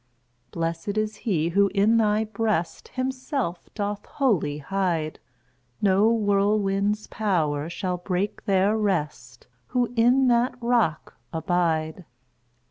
Blessed is he who in thy breast Himself doth wholly hide; No whirlwind's power shall break their rest, Who in that rock abide."